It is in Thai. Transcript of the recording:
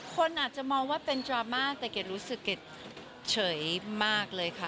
คนอาจจะมองว่าเป็นดราม่าแต่เกดรู้สึกเกรดเฉยมากเลยค่ะ